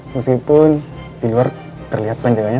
meskipun di luar terlihat panjangannya